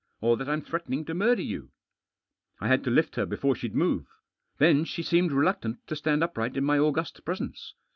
Or that I'm threaten ing to murder you/' I had to Hft her before she'd move. Then she seemed reluctant to stand upright in my august presence.